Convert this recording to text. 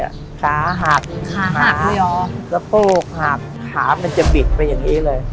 ขาหัสขาหัสด้วยอ๋อกระโปรกหัสขามันจะบิดเป็นอย่างนี้เลย